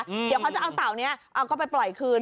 เดี๋ยวเขาจะเอาเต่านี้เอาก็ไปปล่อยคืน